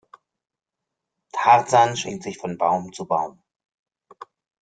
Tarzan schwingt sich von Baum zu Baum.